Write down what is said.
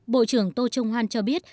bộ trưởng tô trung hoan cho biết